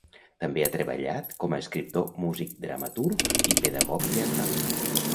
També ha treballat com a escriptor, músic, dramaturg i pedagog teatral.